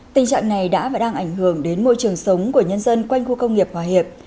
tình trạng này đã và đang ảnh hưởng đến môi trường sống của nhân dân quanh khu công nghiệp hòa hiệp